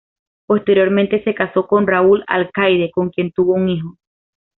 Posteriormente se casó con Raúl Alcaide, con quien tuvo un hijo.